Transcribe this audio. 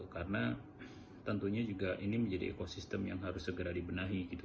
karena tentunya juga ini menjadi ekosistem yang harus segera dibenahi gitu